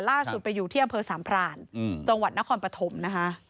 ล่าสุดไปอยู่ที่อำเภอสามพรานจังหวัดนครปฐมนะคะ